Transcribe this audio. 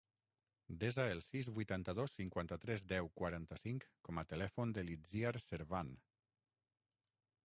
Desa el sis, vuitanta-dos, cinquanta-tres, deu, quaranta-cinc com a telèfon de l'Itziar Servan.